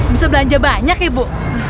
bisa belanja banyak ibu